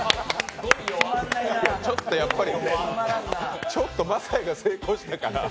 ちょっとやっぱり、ちょっと晶哉が成功したから。